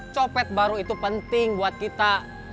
copet baru itu penting buat kita